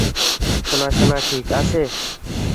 সোনা, সোনা, ঠিক আছে।